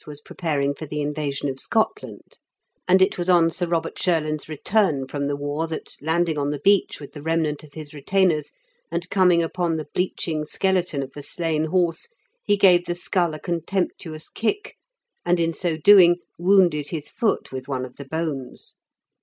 was preparing for the invasion of Scotland ; and it was on # 72 IN KENT WITH CEAELE8 DICKENS. Sir Eobert Shurland's return from the war that, landing on the beach with the remnant of his retainers, and coming upon the bleaching skeleton of the slain horse, he gave the skull a contemptuous kick, and in so doing wounded his foot with one of the bones.